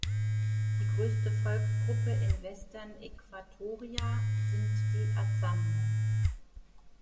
Die größte Volksgruppe in Western Equatoria sind die Azande.